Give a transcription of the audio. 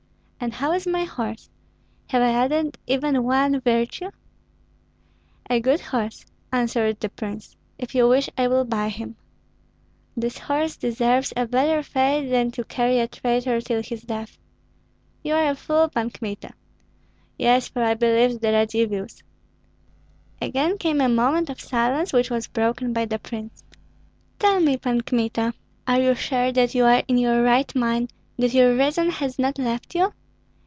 "And how is my horse? Have I added even one virtue?" "A good horse!" answered the prince. "If you wish, I will buy him." "This horse deserves a better fate than to carry a traitor till his death." "You are a fool, Pan Kmita." "Yes, for I believed the Radzivills." Again came a moment of silence, which was broken by the prince. "Tell me, Pan Kmita, are you sure that you are in your right mind, that your reason has not left you?